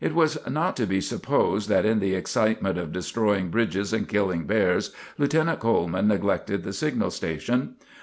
"] It is not to be supposed that in the excitement of destroying bridges and killing bears Lieutenant Coleman neglected the signal station.